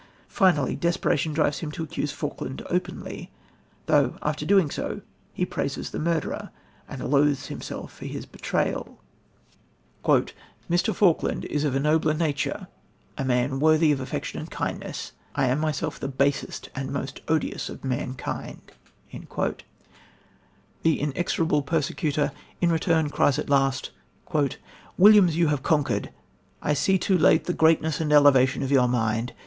Finally desperation drives him to accuse Falkland openly, though, after doing so, he praises the murderer, and loathes himself for his betrayal: "Mr. Falkland is of a noble nature ... a man worthy of affection and kindness ... I am myself the basest and most odious of mankind." The inexorable persecutor in return cries at last: "Williams, you have conquered! I see too late the greatness and elevation of your mind.